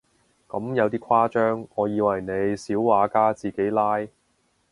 咁有啲誇張，我以為你小畫家自己拉